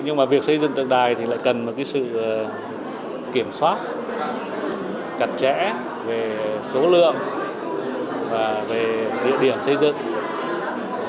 nhưng mà việc xây dựng tượng đài thì lại cần một cái sự kiểm soát cặt trẽ về số lượng và về địa điểm xây dựng